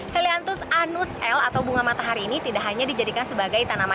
heliantus anus l atau bunga matahari ini tidak hanya dijadikan sebagai tanaman